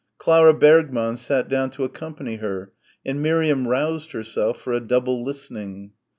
Clara Bergmann sat down to accompany her, and Miriam roused herself for a double listening.